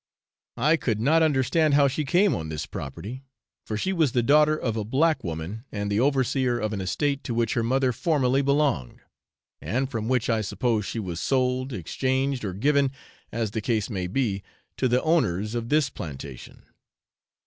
I could not understand how she came on this property, for she was the daughter of a black woman and the overseer of an estate to which her mother formerly belonged, and from which I suppose she was sold, exchanged, or given, as the case may be, to the owners of this plantation.